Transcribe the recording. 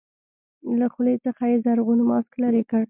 له خولې څخه يې زرغون ماسک لرې کړ.